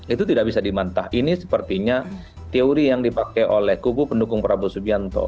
itu tidak bisa dimantah ini sepertinya teori yang dipakai oleh kubu pendukung prabowo subianto